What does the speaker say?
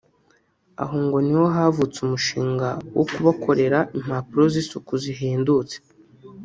Aho ngo niho havutse umushinga wo kubakorera impapuro z’isuku zihendutse